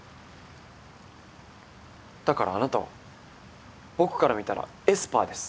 だから、あなたは僕から見たらエスパーです。